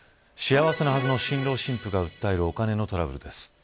幸せなはずの新郎新婦が訴えるお金のトラブルです。